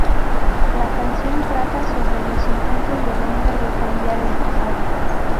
La canción trata sobre los intentos del hombre de cambiar el pasado.